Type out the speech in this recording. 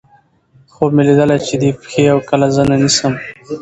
خوب مې ليدلے چې دې پښې اؤ کله زنه نيسم